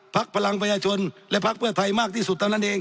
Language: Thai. ภาคพลังพันยชนและภาคเพื่อไทยมากที่สุด